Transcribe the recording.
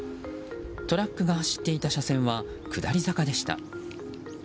トラックが走っていた車線は下り坂でした。